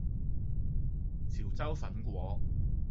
潮州粉果